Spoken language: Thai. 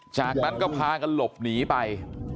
จากนั้นก็พากันหลบหนีไป